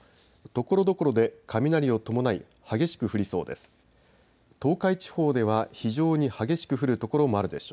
ところどころで雷を伴い激しく降りそうです。